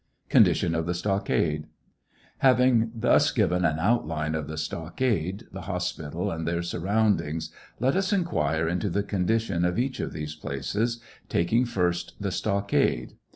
CONDITION OF THE STOCKADE. Having thus given an outline of the stockade, the hospital, and their surround ings, let us inquire into the condition of each of those places, taking first the stockade.